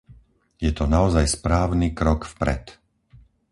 Je to naozaj správny krok vpred.